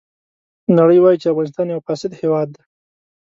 نړۍ وایي چې افغانستان یو فاسد هېواد دی.